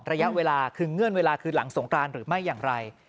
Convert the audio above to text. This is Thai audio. ระยะเวลาคือเงื่อนเวลาคือหลังสงกรานหรือไม่อย่างไร